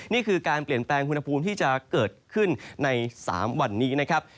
นี่คือการเปลี่ยนแปลงอุณหภูมิที่จะเกิดขึ้นใน๓วันนี้นะครับ